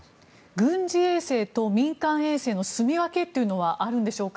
軍事衛星と民間衛星のすみ分けというのはあるんでしょうか？